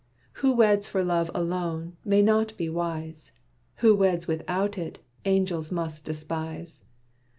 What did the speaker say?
Who weds for love alone, may not be wise: Who weds without it, angels must despise.